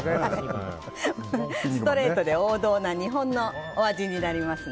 ストレートで王道な日本の味になります。